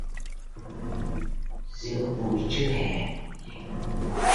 Giữa buổi trưa hè